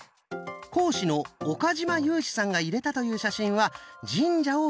講師の岡嶋裕史さんが入れたという写真は神社を写したもの。